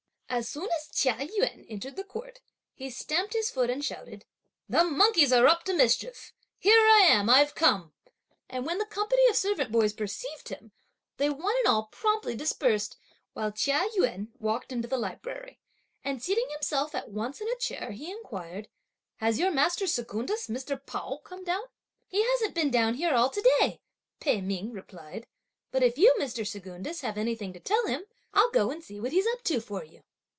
As soon as Chia Yün entered the court, he stamped his foot and shouted, "The monkeys are up to mischief! Here I am, I've come;" and when the company of servant boys perceived him, they one and all promptly dispersed; while Chia Yün walked into the library, and seating himself at once in a chair, he inquired, "Has your master Secundus, Mr. Pao, come down?" "He hasn't been down here at all to day," Pei Ming replied, "but if you, Mr. Secundus, have anything to tell him, I'll go and see what he's up to for you."